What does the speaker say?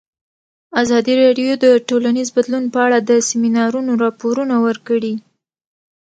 ازادي راډیو د ټولنیز بدلون په اړه د سیمینارونو راپورونه ورکړي.